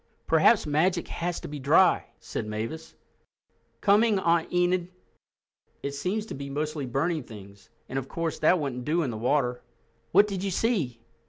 "Perhaps magic has to be dry," said Mavis. "Coming, Aunt Enid! It seems to be mostly burning things, and, of course, that wouldn't do in the water. What did you see?"